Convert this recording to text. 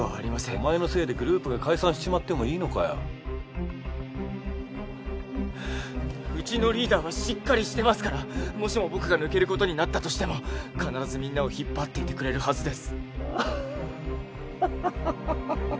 お前のせいでグループが解散しちまっうちのリーダーはしっかりしてますからもしも僕が抜けることになったとしても必ずみんなを引っ張っていってくれるはずですははは